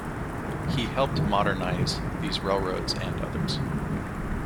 He helped modernize these railroads and others.